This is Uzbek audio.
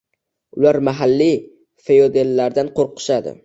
Ular mahalliy feodallardan qo'rqishadi